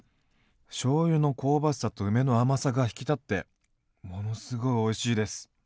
しょうゆの香ばしさと梅の甘さが引き立ってものすごいおいしいです。